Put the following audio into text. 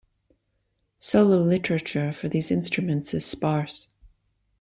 Solo literature for these instruments is sparse.